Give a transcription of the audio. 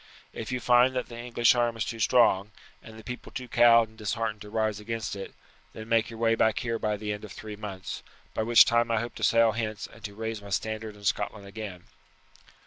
If you find that the English arm is too strong, and the people too cowed and disheartened to rise against it, then make your way back here by the end of three months, by which time I hope to sail hence and to raise my standard in Scotland again."